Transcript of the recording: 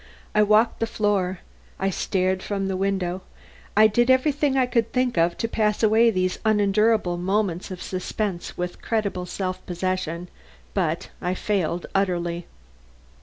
I walked the floor; I stared from the window; I did everything I could think of to pass away these unendurable moments of suspense with creditable self possession. But I failed utterly.